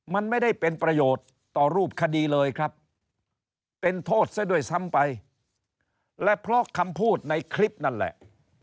มันไม่ได้เป็นประโยชน์ต่อรูปคดีเลยครับเป็นโทษซะด้วยซ้ำไปและเพราะคำพูดในคลิปนั่นแหละ